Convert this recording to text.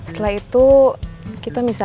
setelah itu kita bisa